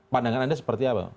pandangan anda seperti apa